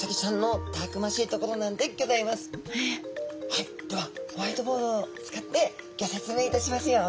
はいではホワイトボードを使ってギョ説明いたしますよ。